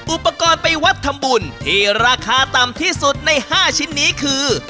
อุปกรณ์ไปวัดทำบุญที่ราคาต่ำที่สุดใน๕ชิ้นนี้คือ